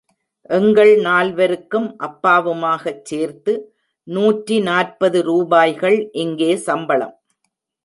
எங்கள் நால்வருக்கும் அப்பாவுமாகச் சேர்த்து நூற்றி நாற்பது ரூபாய்கள் இங்கே சம்பளம்.